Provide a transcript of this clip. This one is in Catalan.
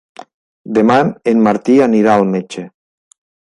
Demà en Martí anirà al metge.